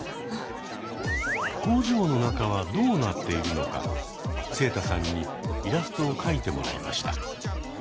工場の中はどうなっているのかセイタさんにイラストを描いてもらいました。